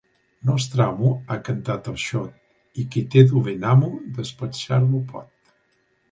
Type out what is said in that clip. Nostramo, ha cantat el xot, i qui té dolent amo despatxar-lo pot.